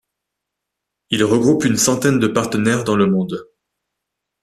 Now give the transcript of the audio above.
Il regroupe une centaine de partenaires dans le monde.